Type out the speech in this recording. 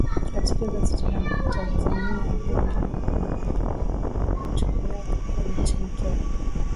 katika gazeti la mtanzania mbunge mbaheleni atimuliwa bungeni nchini kenya